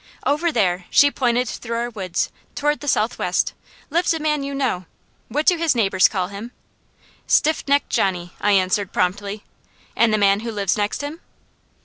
"Over there," she pointed through our woods toward the southwest, "lives a man you know. What do his neighbours call him?" "Stiff necked Johnny," I answered promptly. "And the man who lives next him?"